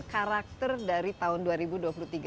karakter dari tahun dua ribu dua puluh tiga